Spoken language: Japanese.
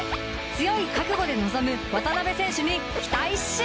強い覚悟で臨む渡邊選手に期待っシュ！